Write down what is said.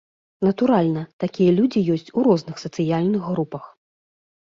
Натуральна, такія людзі ёсць у розных сацыяльных групах.